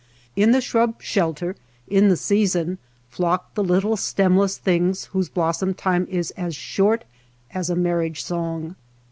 In the shrub shel ter, in the season, flock the little stemless things whose blossom time is as short as a marriage song.